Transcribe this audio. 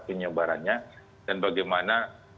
penyebarannya dan bagaimana